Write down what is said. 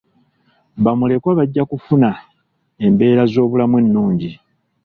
Bamulekwa bajja kufuna embeera z'obulamu ennungi.